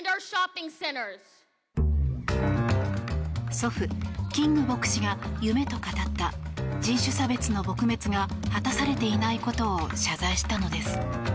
祖父・キング牧師が夢と語った人種差別の撲滅が果たされていないことを謝罪したのです。